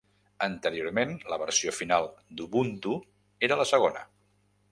Anteriorment, la versió final d'Ubuntu era la segona.